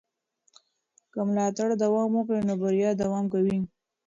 که ملاتړ دوام وکړي نو بریا دوام کوي.